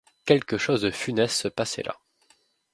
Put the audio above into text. Quelque chose de funeste se passait là.